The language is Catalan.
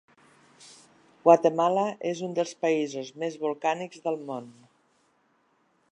Guatemala és un dels països més volcànics del món.